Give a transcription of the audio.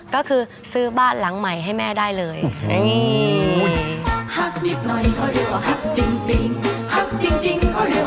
ฮักจริงจางปางแจงแปงจงโปง